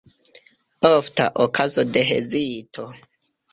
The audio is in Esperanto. Ofta okazo de hezito.